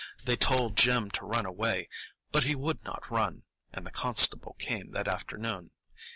They told Jim to run away; but he would not run, and the constable came that afternoon.